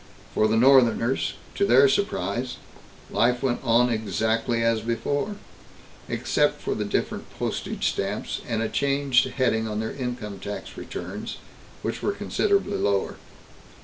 For the northerners, to their surprise, life went on exactly as before, except for different postage stamps, and a changed heading on their income tax returns, which were considerably lower.